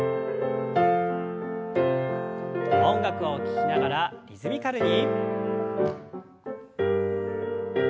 音楽を聞きながらリズミカルに。